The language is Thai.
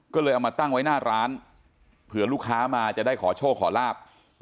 ก็เลยเอามาตั้งไว้หน้าร้านเผื่อลูกค้ามาจะได้ขอโชคขอลาบ